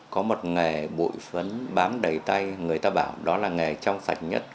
có một nghề bội phấn bám đầy tay người ta bảo đó là nghề trong sạch nhất